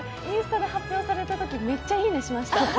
インスタで発表されたとき、めっちゃ「いいね」しました。